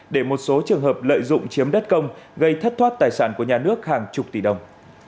để một số trường hợp lợi dụng chiếm đất công gây thất thoát tài sản của nhà nước hàng chục tỷ đồng